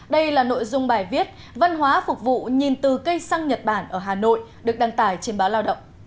đây là nội dung bài viết văn hóa phục vụ nhìn từ cây xăng nhật bản ở hà nội được đăng tải trên báo lao động